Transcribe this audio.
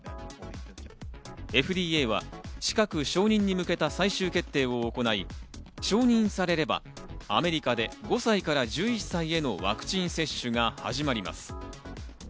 ＦＤＡは近く承認に向けた最終決定を行い、承認されれば、アメリカで５歳から１１歳へのワクチン接種が始まります。